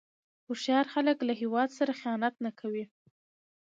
هوښیار خلک له هیواد سره خیانت نه کوي.